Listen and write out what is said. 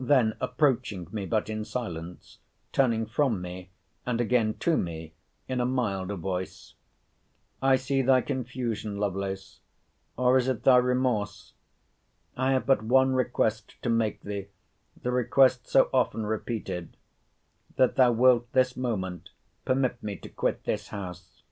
Then approaching me, but in silence, turning from me, and again to me, in a milder voice—I see thy confusion, Lovelace. Or is it thy remorse?—I have but one request to make thee—the request so often repeated—That thou wilt this moment permit me to quit this house.